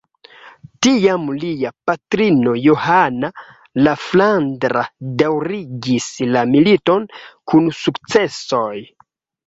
Tiam lia patrino Johana la Flandra daŭrigis la militon, kun sukcesoj.